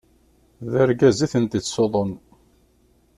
D argaz i tent-ittṣuḍun.